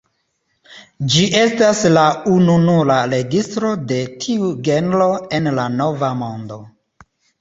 Ĝi estas la ununura registro de tiu genro en la Nova Mondo.